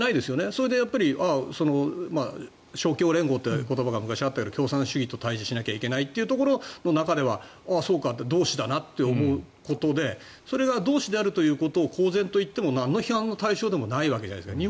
それで勝共連合って言葉が昔あったように共産主義と対峙しなければいけないという中ではそうかって同士だなと思うことでそれが同士であるということを公然と言ってもなんの批判の対象でもないわけじゃないですか。